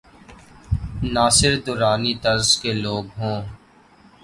ناصر درانی طرز کے لو گ ہوں۔